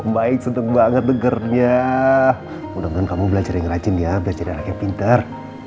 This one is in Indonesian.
baik sentuh banget dengernya mudah mudahan kamu belajar yang rajin ya belajar pinter